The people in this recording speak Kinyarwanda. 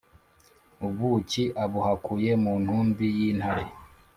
Ubuki abuhakuye mu ntumbi y’intare